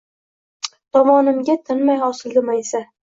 Tovonimga tinmay osildi maysa